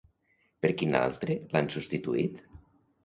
Per quin altre l'han substituït?